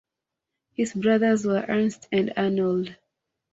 His brothers were Ernst and Arnold.